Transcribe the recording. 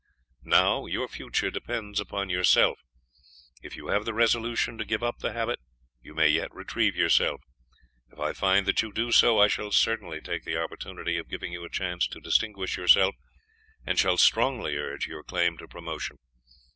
Now your future depends upon yourself; if you have the resolution to give up the habit, you may yet retrieve yourself. If I find that you do so, I shall certainly take the opportunity of giving you a chance to distinguish yourself, and shall strongly urge your claim to promotion.